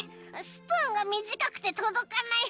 スプーンがみじかくてとどかない。